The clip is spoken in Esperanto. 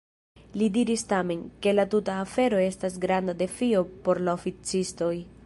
Li diris tamen, ke la tuta afero estas granda defio por la oficistoj.